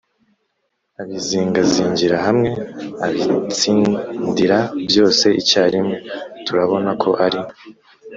abizingazingira hamwe: abitsindira byose icyarimwe turabona ko ari